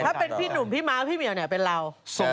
ถ้าเป็นพี่หนุ่มพี่ม้าพี่เหมียวเนี่ยเป็นเรา